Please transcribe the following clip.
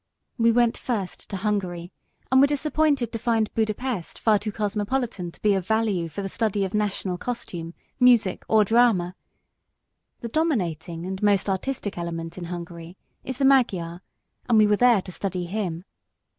We went first to Hungary and were disappointed to find Buda Pest far too cosmopolitan to be of value for the study of national costume, music or drama. The dominating and most artistic element in Hungary is the Magyar, and we were there to study him.